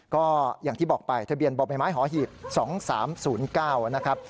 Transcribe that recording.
ก็อย่างที่บอกไปทะเบียนบมฮหีต๒๓๐๙นะครับ